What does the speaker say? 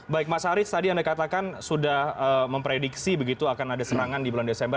baik mas haris tadi anda katakan sudah memprediksi begitu akan ada serangan di bulan desember